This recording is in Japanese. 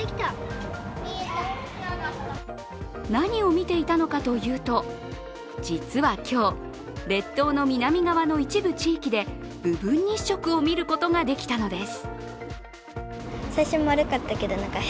何を見ていたのかというと実は今日、列島の南側の一部地域で部分日食を見ることができたのです。